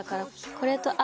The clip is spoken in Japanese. これとＲ